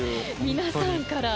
皆さんから。